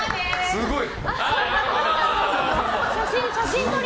すごい。